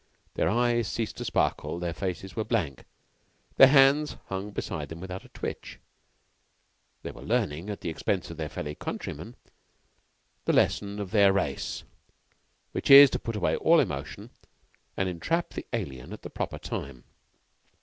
Their eyes ceased to sparkle; their faces were blank; their hands hung beside them without a twitch. They were learning, at the expense of a fellow countryman, the lesson of their race, which is to put away all emotion and entrap the alien at the proper time.